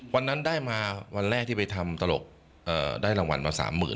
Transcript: วันนั้นได้มาวันแรกที่ไปทำตลกได้รางวัลมา๓๐๐๐